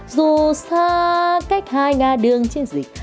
dù xa cách hai ngà đường chiến dịch